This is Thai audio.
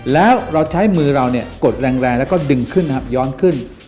แล้วเราใช้มือเราเนี่ยกดแรงแล้วก็ดึงขึ้นครับย้อนขึ้น